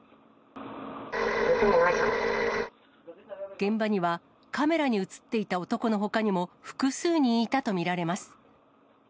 現場には、カメラに写っていた男のほかにも、複数人いたと見られます。